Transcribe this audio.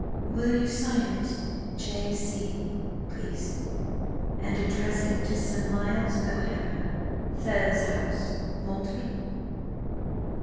"Will you sign it J.C., please, and address it to Sir Miles O'Hara, Thurze House, Maltby?"